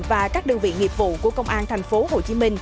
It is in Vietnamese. và các đơn vị nghiệp vụ của công an tp hcm